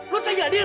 lu tinggal di sini